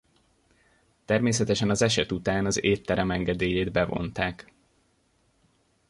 Természetesen az eset után az étterem engedélyét bevonták.